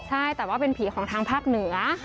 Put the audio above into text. ใช่แต่ว่าเป็นผีของทางภาคเหนือ